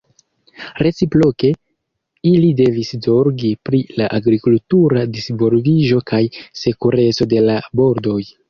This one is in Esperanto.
Reciproke, ili devis zorgi pri la agrikultura disvolviĝo kaj sekureco de la bordoj.